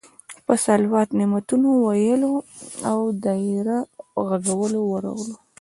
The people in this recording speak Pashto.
په صلوات، نعتونو ویلو او دایره غږولو ورغلو.